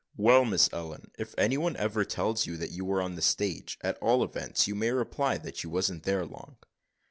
"Well, Miss Ellen, if any one ever tells you that you were on the stage, at all events you may reply that you wasn't there long."